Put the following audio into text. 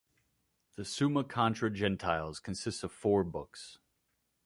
The "Summa contra Gentiles" consists of four books.